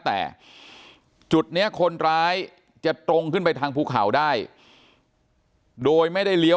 แต่จุดนี้คนร้ายจะตรงขึ้นไปทางภูเขาได้โดยไม่ได้เลี้ยว